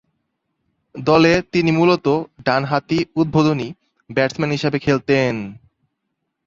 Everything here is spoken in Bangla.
দলে তিনি মূলতঃ ডানহাতি উদ্বোধনী ব্যাটসম্যান হিসেবে খেলতেন!।